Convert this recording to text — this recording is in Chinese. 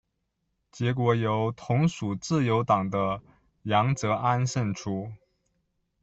结果由同属自由党的杨哲安胜出。